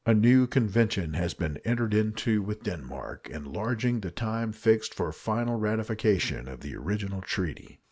A new convention has been entered into with Denmark, enlarging the time fixed for final ratification of the original treaty.